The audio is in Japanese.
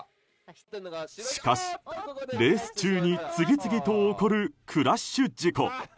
しかし、レース中に次々と起こるクラッシュ事故。